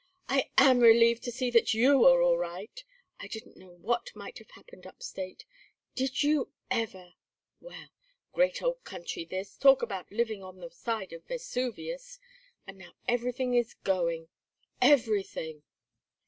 "I am relieved to see that you are all right. I didn't know what might have happened up State. Did you ever? Well! Great old country this. Talk about living on the side of Vesuvius. And now everything is going, everything!"